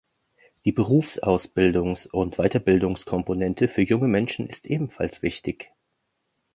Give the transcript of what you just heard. Die Berufsausbildungs- und Weiterbildungskomponente für junge Menschen ist ebenfalls wichtig.